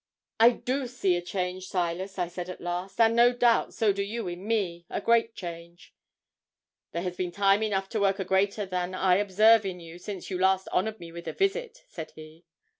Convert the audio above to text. '"I do see a change, Silas," I said at last; "and, no doubt, so do you in me a great change." '"There has been time enough to work a greater than I observe in you since you last honoured me with a visit," said he.